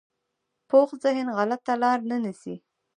پوخ ذهن غلطه لاره نه نیسي